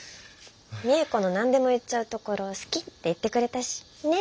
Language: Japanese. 未映子の何でも言っちゃうところ好きって言ってくれたし。ね？